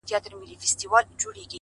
• زلفي او باڼه اشــــــنـــــــــــا ـ